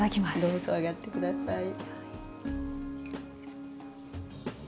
どうぞあがって下さい。